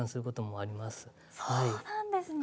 そうなんですね。